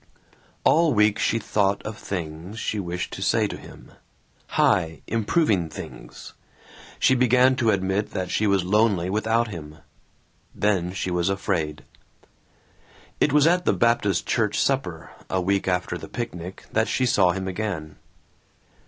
All week she thought of things she wished to say to him. High, improving things. She began to admit that she was lonely without him. Then she was afraid. It was at the Baptist church supper, a week after the picnic, that she saw him again.